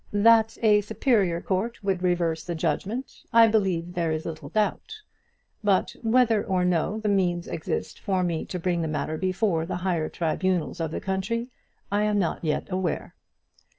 That a superior court would reverse the judgment, I believe there is little doubt; but whether or no the means exist for me to bring the matter before the higher tribunals of the country I am not yet aware.